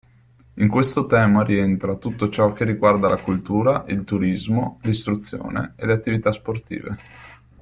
In questo tema rientra tutto ciò che riguarda la cultura, il turismo, l'istruzione e le attività sportive.